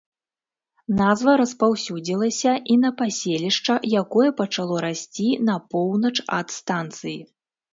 Назва распаўсюдзілася і на паселішча, якое пачало расці на поўнач ад станцыі.